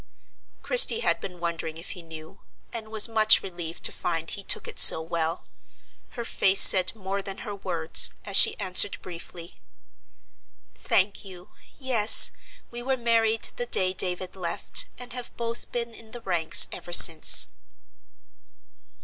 Christie had been wondering if he knew, and was much relieved to find he took it so well. Her face said more than her words, as she answered briefly: "Thank you. Yes, we were married the day David left, and have both been in the ranks ever since."